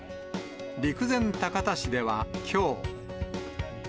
陸前高田市ではきょう。